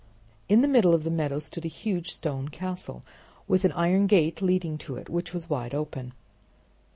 In the middle of the meadow stood a huge stone castle, with an iron gate leading to it, which was wide open.